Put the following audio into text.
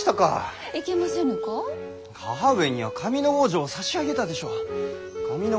母上には上ノ郷城を差し上げたでしょう上ノ